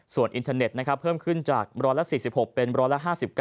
ส่วนอินเทอร์เน็ตนะครับเพิ่มขึ้นจากร้อยละ๔๖เป็นร้อยละ๕๙